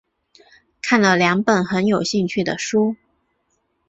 看了两本很有兴趣的书